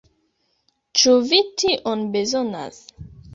Ĉu vi tion bezonas?